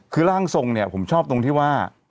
คือร่างทรงเนี่ยผมชอบตรงที่ว่า